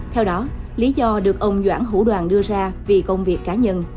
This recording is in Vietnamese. theo đó lý do được ông doãn hữu đoàn đưa ra vì công việc cá nhân